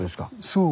そう。